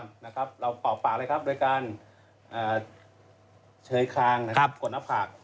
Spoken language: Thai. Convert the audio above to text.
แน่นอนนะครับเราเป่าปากเลยครับโดยการเชยคางกดหน้าผาก